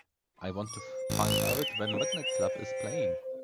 I want to find out when Midnight Club is playing